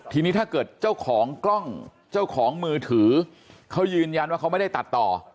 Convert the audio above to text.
ทีนี้ถ้าเกิดเจ้าของกล้องเจ้าของมือถือเขายืนยันว่าเขาไม่ได้ตัดต่อ